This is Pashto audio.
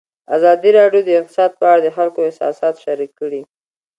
ازادي راډیو د اقتصاد په اړه د خلکو احساسات شریک کړي.